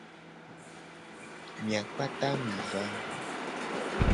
Mia kpata mi va.